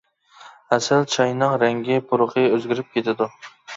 ھەسەل چاينىڭ رەڭگى، پۇرىقى ئۆزگىرىپ كېتىدۇ.